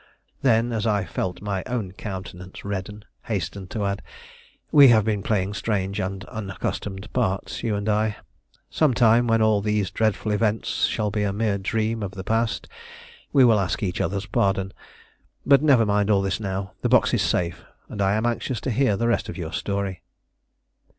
Then, as I felt my own countenance redden, hastened to add: "We have been playing strange and unaccustomed parts, you and I. Some time, when all these dreadful events shall be a mere dream of the past, we will ask each other's pardon. But never mind all this now. The box is safe, and I am anxious to hear the rest of your story."